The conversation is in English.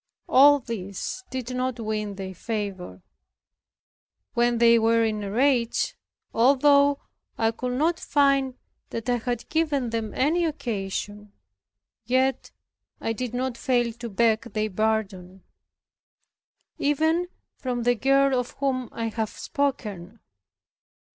All this did not win their favor. When they were in a rage, although I could not find that I had given them any occasion, yet I did not fail to beg their pardon, even from the girl of whom I have spoken.